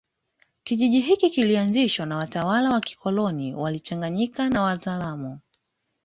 Kijiji hiki kilianzishwa na watalawa wa kikoloni walichanganyika na Wazaramo